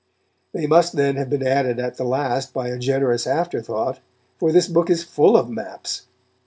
They must, then, have been added at the last by a generous afterthought, for this book is full of maps.